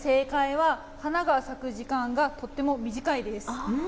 正解は花が咲く時間がとっても短いんです。